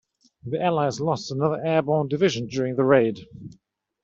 The allies lost another airborne division during the raid.